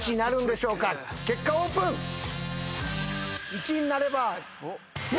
１になれば。